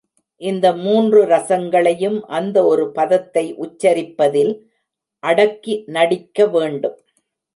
இந்த மூன்று ரசங்களையும் அந்த ஒரு பதத்தை உச்சரிப்பதில் அடக்கி நடிக்கவேண்டும்.